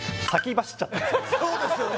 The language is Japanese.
そうですよね